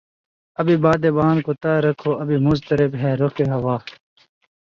ابھی بادبان کو تہ رکھو ابھی مضطرب ہے رخ ہوا